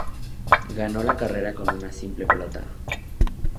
Ganó la carrera con una simple pelota.